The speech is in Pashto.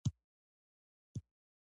وسله د تعلیم ضد ده